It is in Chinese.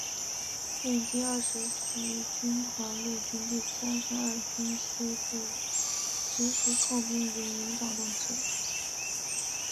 任第二十集团军陆军第三十二军司令部直属炮兵营营长等职。